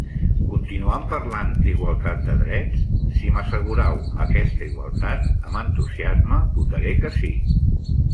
Continuam parlant d'igualtat de drets? Si m'assegurau aquesta igualtat, amb entusiasme votaré que sí.